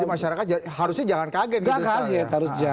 jadi masyarakat harusnya jangan kaget gitu kan gak kaget harusnya